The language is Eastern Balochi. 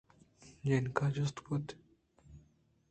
جنک ءَ جست کُت